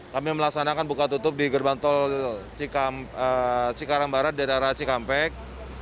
kami melaksanakan buka tutup di gerbang tol cikarang barat dari arah cikampek